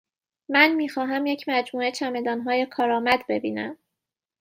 من می خواهم یک مجموعه چمدانهای کارآمد ببینم.